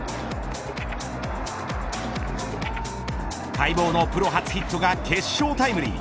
待望のプロ初ヒットが決勝タイムリー。